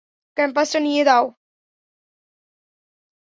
কম্পাসটা দিয়ে দাও!